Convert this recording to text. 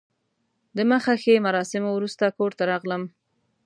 د مخه ښې مراسمو وروسته کور ته راغلم.